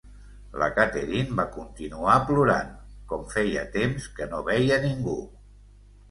La Catherine va continuar plorant, com feia temps que no veia ningú.